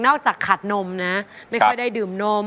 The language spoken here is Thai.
นอกจากขาดนมนะไม่เคยได้ดื่มนม